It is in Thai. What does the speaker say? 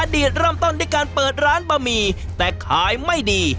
เริ่มต้นด้วยการเปิดร้านบะหมี่แต่ขายไม่ดี